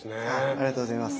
ありがとうございます。